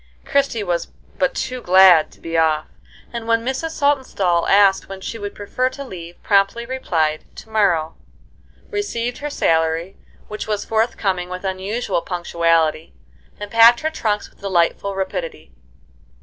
Christie was but too glad to be off; and when Mrs. Saltonstall asked when she would prefer to leave, promptly replied, "To morrow," received her salary, which was forthcoming with unusual punctuality, and packed her trunks with delightful rapidity.